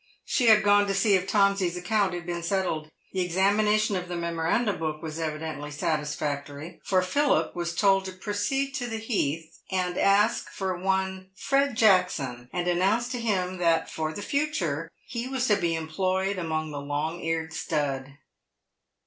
She had gone to see if Tomsey's account had been settled. The examination of the memorandum book was evidently satisfactory, for Philip was told to proceed to the heath, and ask for one Fred Jackson, and announce PAVED WITH GOLD. 135 to him that for the future he was to be employed among the long eared stud.